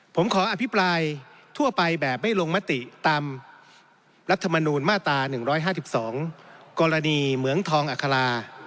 ผมขออภิปรายทั่วไปแบบไม่ลงมติตามรัฐมนูลมาตรา๑๕๒กรณีเหมืองทองอัครา